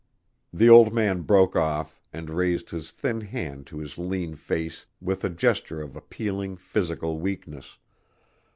The old man broke off, and raised his thin hand to his lean face with a gesture of appealing physical weakness.